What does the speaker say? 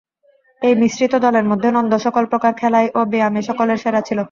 এই মিশ্রিত দলের মধ্যে নন্দ সকলপ্রকার খেলায় ও ব্যায়ামে সকলের সেরা ছিল।